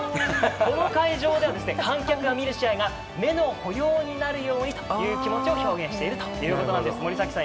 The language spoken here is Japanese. この会場では、観客が見る試合が目の保養になるようにという気持ちを表現しているということなんです。